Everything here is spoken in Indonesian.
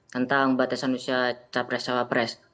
tentang batasan usia capres cawapres